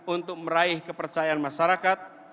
untuk meraih kepercayaan masyarakat